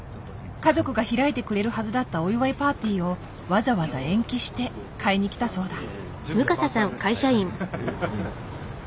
家族が開いてくれるはずだったお祝いパーティーをわざわざ延期して買いに来たそうだ。